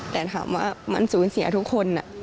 แต่ถามว่ามันสูญเสียทุกคน